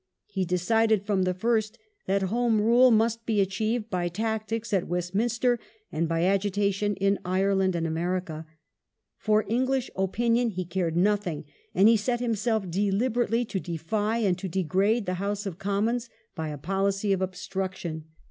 He decided from the first that Home Rule must be achieved by tactics at Westminster and by agitation in Ireland and America. For English opinion he cared nothing, and he set himself deliberately to defy and to degrade the House of Commons by a policy of obstruction.